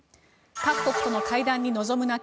各国との会談に臨む中